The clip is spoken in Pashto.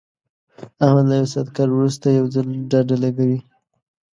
احمد له یو ساعت کار ورسته یو ځل ډډه لګوي.